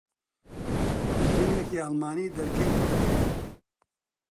ژنێکی ئەڵمانی دەرکەی کردەوە.